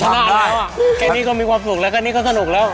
มีความสุขแล้วก็มีความสนุกแล้ว